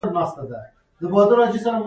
میشتېدل د خلکو قلمرو د پام وړ کموالی راوړ.